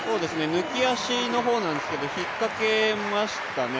抜き足の方なんですけど、引っかけましたね。